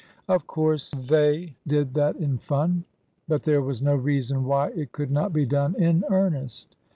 Of course they did that in fun ; but there was no reason why it could not be done in ear nest.